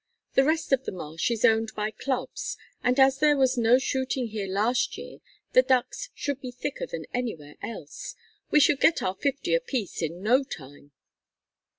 The rest of the marsh is owned by clubs, and as there was no shooting here last year the ducks should be thicker than anywhere else. We should get our fifty apiece in no time."